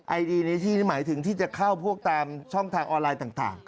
ไอดีในที่นี่หมายถึงที่จะเข้าพวกตามช่องทางออนไลน์ต่าง